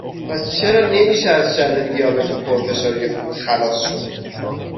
پس چرا نمیشه از شَرّ دیابِت و پُرفشاری خون خلاص شد؟